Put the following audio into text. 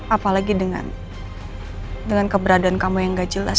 apalagi dengan keberadaan kamu yang gak jelas